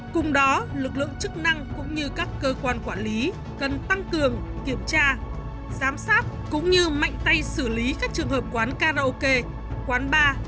cùng đó lực lượng chức năng cũng như các cơ quan quản lý cần tăng cường kiểm tra giám sát cũng như mạnh tay xử lý các trường hợp quán karaoke quán bar